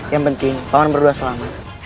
yang penting pawan berdua selamat